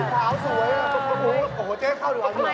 พี่เผาสวยอ่ะโอ้โหเจ๊เข้าดีกว่าดีกว่า